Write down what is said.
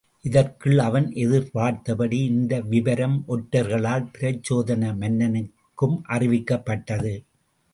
இதற்குள் அவன் எதிர் பார்த்தபடி இந்த விவரம் ஒற்றர்களால் பிரச்சோதன மன்னனுக்கும் அறிவிக்கப்பட்டது.